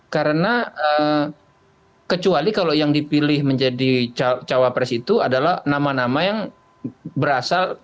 karena kecuali kalau yang dipilih menjadi cawa pres itu adalah nama nama yang berasal